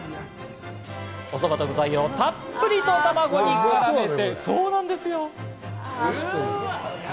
おそばと具材をたっぷりと卵につけて。